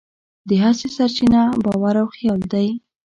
د هڅې سرچینه باور او خیال دی.